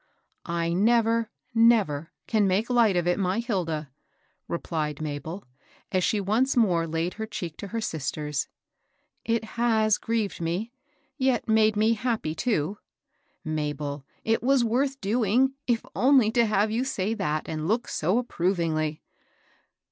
I never, never can make light of it, my Hilda," replied Mabel, as she once more laid her cheek to her sister's. " It has grieved me, yet made me happy, too." " Mabel \ it was worth doing, if only to have you say that, and look so approvingly."